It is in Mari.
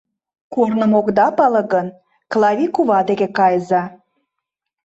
Корным огыда пале гын, Клави кува деке кайыза.